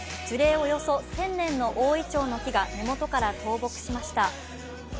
およそ１０００年の大いちょうの木が根元から倒木しました。